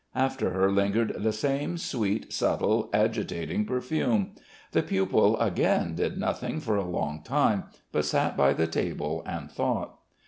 After her lingered the same sweet, subtle, agitating perfume. The pupil again did nothing for a long time, but sat by the table and thought.